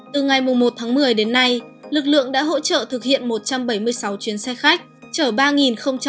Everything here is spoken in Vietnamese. từ ngày một một mươi đến nay lực lượng đã hỗ trợ thực hiện một trăm bảy mươi sáu chuyến xe khách